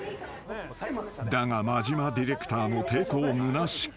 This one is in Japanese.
［だが間島ディレクターの抵抗むなしく］